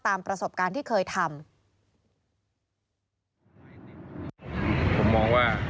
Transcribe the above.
ตามประสบการณ์ที่เคยทำ